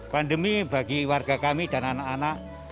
pandemi bagi warga kami dan anak anak